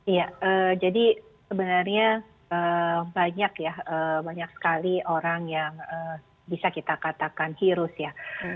iya jadi sebenarnya banyak ya banyak sekali orang yang bisa kita katakan virus ya